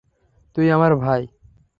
তুই আমার ভাই।